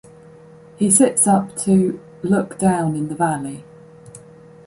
He sits up to ... look down in the valley.